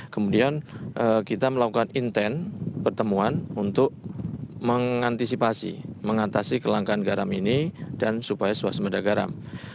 kemudian kita melakukan intent pertemuan untuk mengantisipasi mengatasi kelangkaan garam ini dan supaya swasembada garam